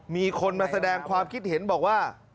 มีคนมาแสดงความคิดเห็นบอกว่า